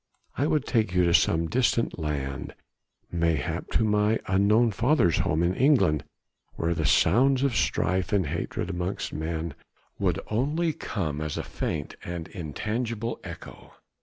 I would take you to some distant land, mayhap to my unknown father's home in England, where the sounds of strife and hatred amongst men would only come as a faint and intangible echo.